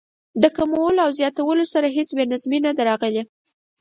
په کمولو او زیاتولو سره هېڅ بې نظمي نه ده راغلې.